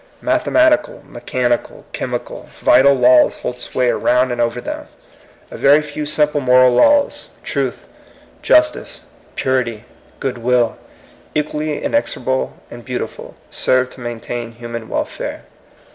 Mathematical, mechanical, chemical, vital laws hold sway around and 88 THE COMING PEOPLE. over them. A very few simple moral laws, truth, justice, purity, good will, — equally inexorable and beautiful, — serve to main tain human welfare.